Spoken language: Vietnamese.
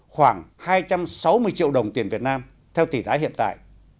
khoảng hai trăm sáu mươi triệu đồng tiền việt nam theo tỷ thái hiện tại